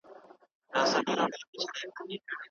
روسيه د پاملرنې وړ مقام ته ورسېده.